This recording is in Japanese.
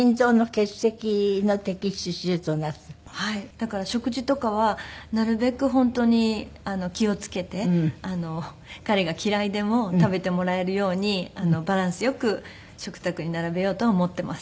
だから食事とかはなるべく本当に気を付けて彼が嫌いでも食べてもらえるようにバランスよく食卓に並べようとは思っています。